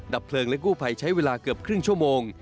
เพลิงและกู้ภัยใช้เวลาเกือบครึ่งชั่วโมง